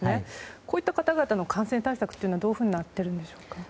こういった方々の感染対策はどうなっているんでしょうか？